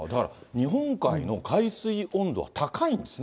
日本海の海水温度は高いんですね。